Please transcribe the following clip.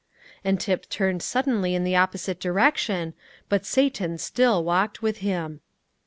And Tip turned suddenly in the opposite direction, but Satan still walked with him.